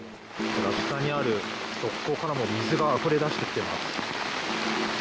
下にある側溝からも水があふれ出してきています。